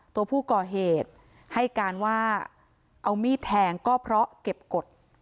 ตัวผู้ก่อเหตุให้การว่าเอามีดแทงก็เพราะเก็บกฎ